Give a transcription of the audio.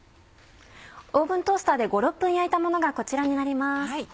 オーブントースターで５６分焼いたものがこちらになります。